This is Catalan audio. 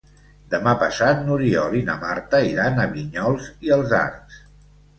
Demà passat n'Oriol i na Marta iran a Vinyols i els Arcs.